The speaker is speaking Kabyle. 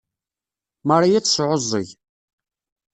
Marie ad tesɛuẓẓeg.